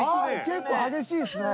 結構激しいですね。